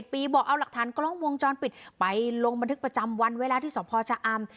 ปีบอกเอาหลักฐานกล้องวงจรปิดไปลงบันทึกประจำวันไว้แล้วที่สพชะอำ